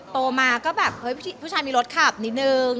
โตมาก็แบบเฮ้ยผู้ชายมีรถขับนิดนึง